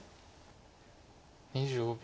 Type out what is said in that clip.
２５秒。